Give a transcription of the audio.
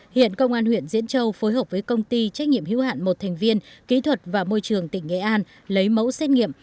hiện công an huyện diễn châu phối hợp với công ty trách nhiệm hữu hạn một thành viên kỹ thuật và môi trường tỉnh nghệ an lấy mẫu xét nghiệm